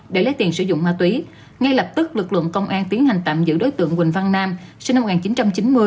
để lấy tiền sử dụng ma túy ngay lập tức lực lượng công an tiến hành tạm giữ đối tượng quỳnh văn nam sinh năm một nghìn chín trăm chín mươi